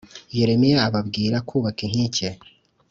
Yeremiya ababwira kubaka inkike